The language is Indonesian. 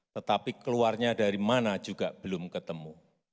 tetapi keluarnya dari mana juga belum ketemu